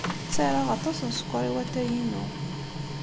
Ttarraɣ aṭas n sskeṛ i watay-inu.